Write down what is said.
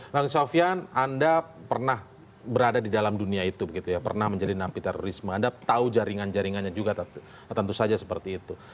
bang sofyan anda pernah berada di dalam dunia itu pernah menjadi napi terorisme anda tahu jaringan jaringannya juga tentu saja seperti itu